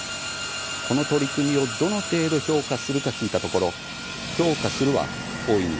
この取り組みをどの程度評価するか聞いたところ「評価する」は「大いに」